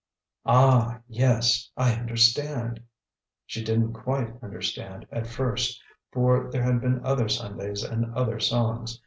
"Ah, yes, I understand." She didn't quite understand, at first; for there had been other Sundays and other songs.